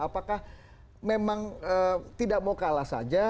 apakah memang tidak mau kalah saja